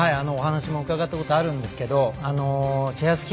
お話も伺ったことがあるんですけどチェア